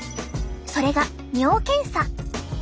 それが尿検査。